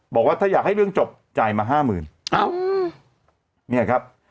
บอกว่าถ้าอยากให้เรื่องจบจ่ายมาห้าหมื่นอ้าวเนี่ยครับ